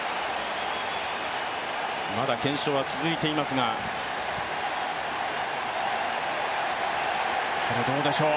まだ検証は続いていますが、どうでしょう。